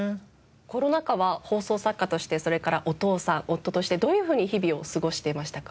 コロナ禍は放送作家としてそれからお父さん夫としてどういうふうに日々を過ごしていましたか？